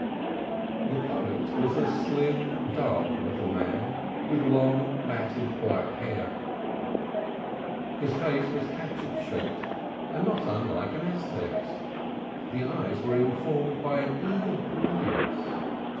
The poet was a slim, dark little man, with long, matted black hair. His face was hatchet shaped and not unlike an Aztec's. The eyes were informed by an eager brilliance.